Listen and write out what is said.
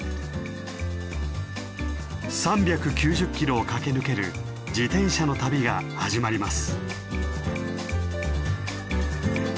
３９０キロを駆け抜ける自転車の旅が始まります。